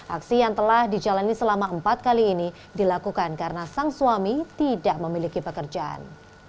aksi yang telah dijalani selama empat kali ini dilakukan karena sang suami tidak memiliki pekerjaan